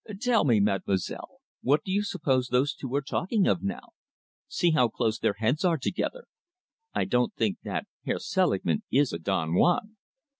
Tell me, mademoiselle, what do you suppose those two are talking of now? See how close their heads are together. I don't think that Herr Selingman is a Don Juan."